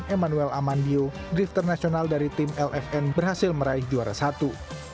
emmanuel amandio drifter nasional dari tim lfn berhasil meraih juara satu